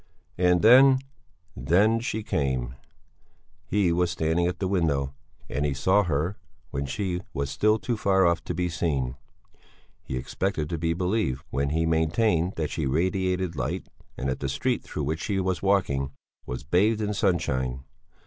And then then she came. He was standing at the window, and he saw her when she was still too far off to be seen; he expected to be believed when he maintained that she radiated light and that the street through which she was walking was bathed in sunshine.